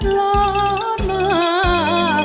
ล้อมมา